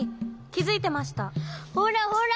ほらほら！